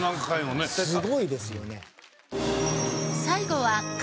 すごいですよね。